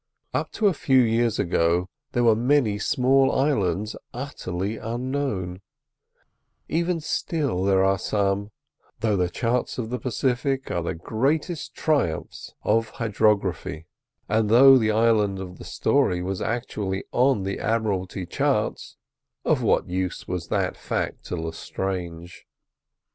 Up to a few years ago there were many small islands utterly unknown; even still there are some, though the charts of the Pacific are the greatest triumphs of hydrography; and though the island of the story was actually on the Admiralty charts, of what use was that fact to Lestrange?